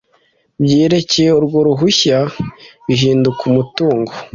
byerekeye urwo ruhushya bihinduka umutungo